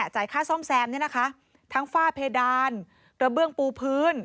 จ่ายค่าซ่อมแซมเนี่ยนะคะทั้งฝ้าเพดานกระเบื้องปูพื้น